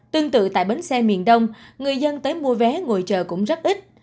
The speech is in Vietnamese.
tương tự tại bến xe miền đông người dân tới mua vé ngồi chờ cũng rất ít